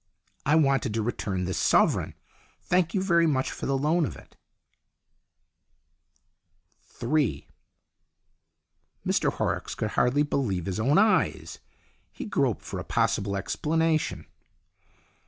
" I wanted to return this sovereign. Thank you very much for the loan of it." THE LAST CHANCE 125 III MR HORROCKS could hardly believe his own eyes. He groped for a possible explanation.